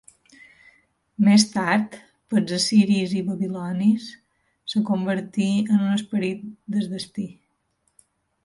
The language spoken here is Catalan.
Més tard, pels assiris i babilonis, es convertí en un esperit del destí.